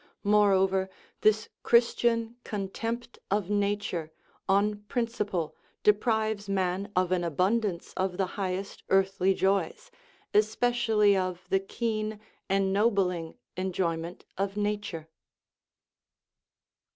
Moreover, this Christian contempt of nature on prin ciple deprives man of an abundance of the highest earthly joys, especially of the keen, ennobling enjoy ment of nature.